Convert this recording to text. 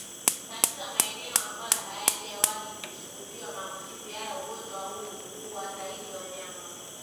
Katika maeneo ambayo hayajawahi kushuhudia maambukizi haya ugonjwa huu huua zaidi wanyama